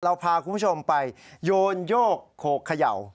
เราพาคุณผู้ชมไปโยนโยกโขกเขย่า